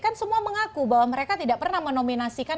kan semua mengaku bahwa mereka tidak pernah menominasikan